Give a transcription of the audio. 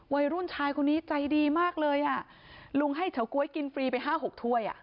วัยรุ่นชายคนนี้ใจดีมากเลยอ่ะลุงให้เฉาก๊วยกินฟรีไปห้าหกถ้วยอ่ะ